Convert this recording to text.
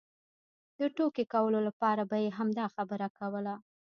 د ټوکې کولو لپاره به یې همدا خبره کوله.